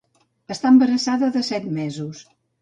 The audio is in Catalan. Està embarassada de set mesos.